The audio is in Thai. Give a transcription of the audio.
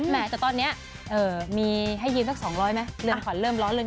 แต่ตอนนี้แบบอีก๒๐๐บาทล่ะเรื่องขวานเริ่มร้อนเลย